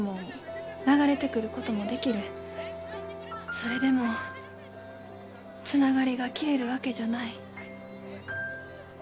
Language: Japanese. それでもつながりが消えるわけじゃない。